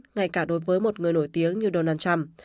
ngay cả đối với một người nổi tiếng như donald trump